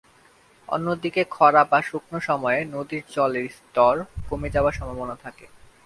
অন্যদিকে, খরা বা শুকনো সময়ে নদীর জলের স্তর কমে যাবার সম্ভাবনা থাকে।